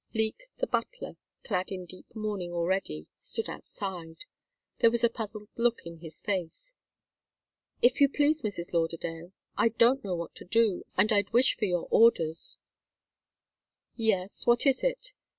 Leek, the butler, clad in deep mourning already, stood outside. There was a puzzled look in his face. "If you please, Mrs. Lauderdale, I don't know what to do, and I'd wish for your orders " "Yes what is it?"